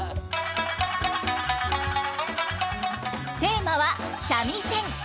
テーマは「三味線」。